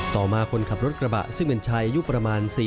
ต่อมาคนขับรถกระบะซึ่งเป็นชายอายุประมาณ๔๐